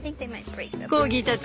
コーギーたち